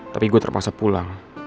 tapi gue terpaksa pulang